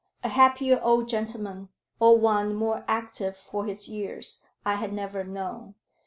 A happier old gentleman, or one more active for his years, I had never known.